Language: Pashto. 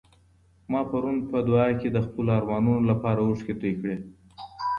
ما پرون په دعا کي د خپلو ارمانونو لپاره اوښکې تویې کړې.